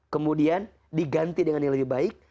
kemudian diganti dengan yang lebih baik